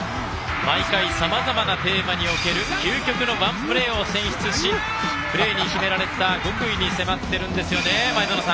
毎回さまざまなテーマにおける究極のワンプレーを選出しプレーに秘められた極意に迫っているんですね。